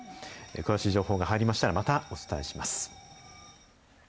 詳しい情報が入りましたらまたお伝えします。